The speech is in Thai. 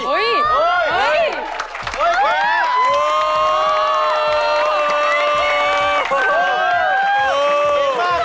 เฮ่ยเก่งมาก